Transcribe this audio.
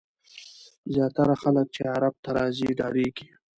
زیاتره خلک چې غرب ته راځي ډارېږي.